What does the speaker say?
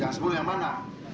yang sepuluh yang mana